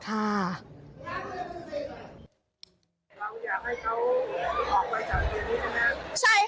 เราอยากให้เขาออกมาจากเดือนนี้ใช่ไหม